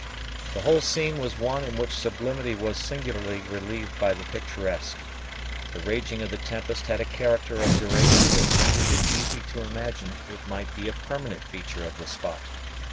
The whole scene was one in which sublimity was singularly relieved by the picturesque. The raging of the tempest had a character of duration that rendered it easy to imagine it might be a permanent feature of the spot.